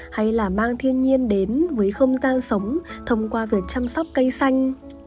hay là mang thiên nhiên đến với không gian sống thông qua việc chăm sóc cây xanh